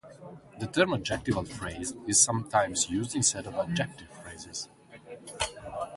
The term "adjectival phrase" is sometimes used instead of "adjective phrase".